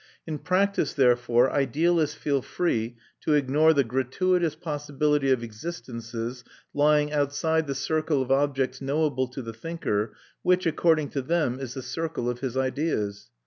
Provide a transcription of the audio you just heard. In practice, therefore, idealists feel free to ignore the gratuitous possibility of existences lying outside the circle of objects knowable to the thinker, which, according to them, is the circle of his ideas.